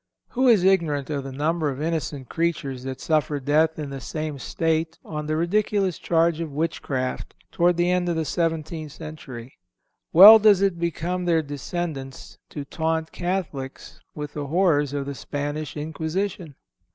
(319) Who is ignorant of the number of innocent creatures that suffered death in the same State on the ridiculous charge of witchcraft toward the end of the seventeenth century? Well does it become their descendants to taunt Catholics with the horrors of the Spanish Inquisition!